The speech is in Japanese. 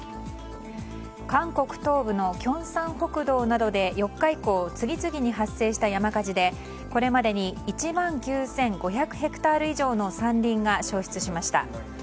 韓国東部のキョンサン北道などで４日以降次々に発生した山火事でこれまでに１万９５００ヘクタール以上の山林が焼失しました。